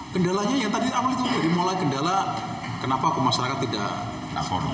kendalanya yang tadi amal itu dari mulai kendala kenapa kemasyarakat tidak lapor